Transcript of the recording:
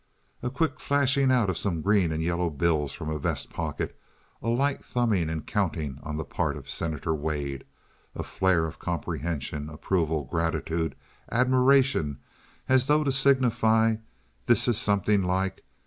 A quick flashing out of some green and yellow bills from a vest pocket, a light thumbing and counting on the part of Senator Wade. A flare of comprehension, approval, gratitude, admiration, as though to signify, "This is something like."